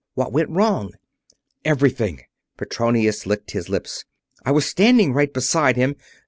What went wrong?" "Everything." Petronius licked his lips. "I was standing right beside him.